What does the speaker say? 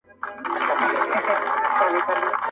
رخسار دي میکده او زه خیام سم چي در ګورم.